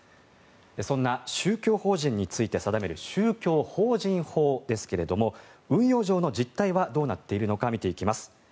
そんな宗教法人について定める宗教法人法ですけれども運用上の実態はどうなっているのか見ていきます。